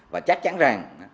và chắc chắn rằng